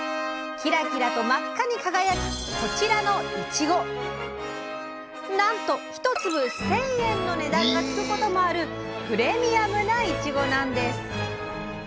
キラキラと真っ赤に輝くこちらのなんと一粒１，０００円の値段がつくこともあるプレミアムないちごなんです！